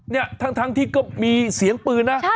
เนี่ยทั้งที่ก็มีเสียงปืนนะ